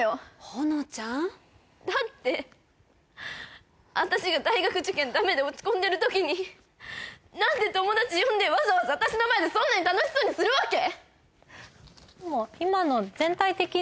ほのちゃんだって私が大学受験ダメで落ち込んでる時に何で友達呼んでわざわざ私の前でそんなに楽しそうにするわけ？